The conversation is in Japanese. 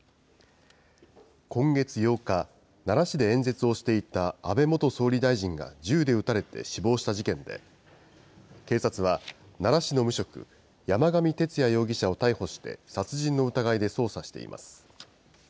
今月８日、奈良市で演説をしていた安倍元総理大臣が銃で撃たれて死亡した事件で、警察は、奈良市の無職、山上徹也容疑者を逮捕して、殺人の疑いで捜査しています。